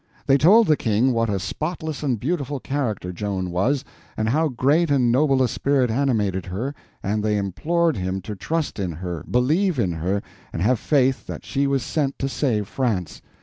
They told the King what a spotless and beautiful character Joan was, and how great and noble a spirit animated her, and they implored him to trust in her, believe in her, and have faith that she was sent to save France.